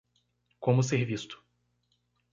Como ser visto